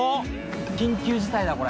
緊急事態だ、これ。